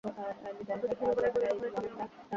অতসী ক্ষীণ গলায় বলল, ঘরে চিনিও নেই।